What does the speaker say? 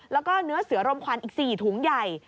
แล้วก็เนื้อเสือรมควันอีก๔ถุงใหญ่